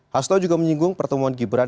hasto juga menyinggung pertemuan gibran